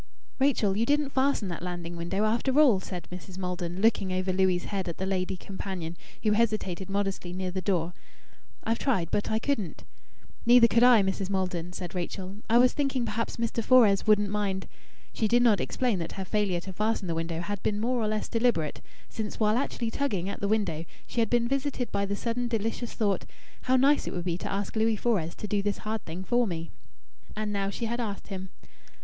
"Rachel, you didn't fasten that landing window, after all!" said Mrs. Maldon, looking over Louis' head at the lady companion, who hesitated modestly near the door. "I've tried, but I couldn't." "Neither could I, Mrs. Maldon," said Rachel. "I was thinking perhaps Mr. Fores wouldn't mind " She did not explain that her failure to fasten the window had been more or less deliberate, since, while actually tugging at the window, she had been visited by the sudden delicious thought: "How nice it would be to ask Louis Fores to do this hard thing for me!" And now she had asked him.